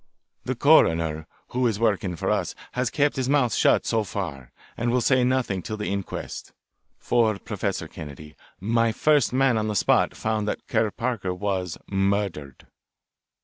The coroner, who is working with us, has kept his mouth shut so far, and will say nothing till the inquest. For, Professor Kennedy, my first man on the spot found that Kerr Parker was murdered.